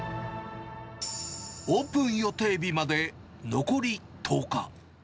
オープン予定日まで残り１０日。